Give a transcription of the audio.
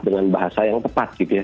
dengan bahasa yang tepat